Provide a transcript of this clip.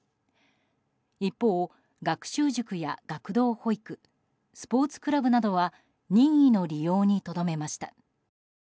一方、学習塾や学童保育スポーツクラブなどは任意の利用にとどめました。